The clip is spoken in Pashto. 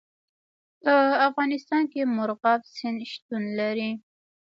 په افغانستان کې مورغاب سیند شتون لري.